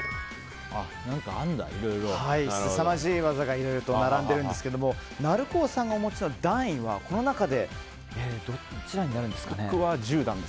すさまじい技がいろいろと並んでいるんですがＮａｌｕｃｏさんがお持ちの段位はこの中でどこになるんですかね。